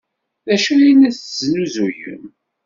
D acu ay la tesnuzuyem?